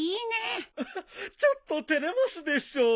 ウフちょっと照れますでしょう。